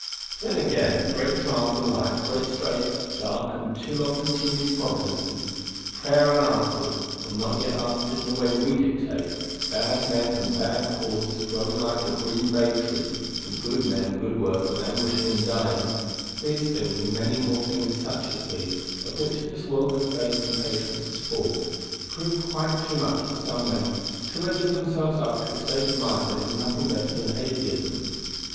Then, again, great trials in life, great straits, dark and too long continued providences, prayer unanswered, or not yet answered in the way we dictate, bad men and bad causes growing like a green bay tree, and good men and good work languishing and dying; these things, and many more things such as these, of which this world of faith and patience is full, prove quite too much for some men till they give themselves up to a state of mind that is nothing better than atheism.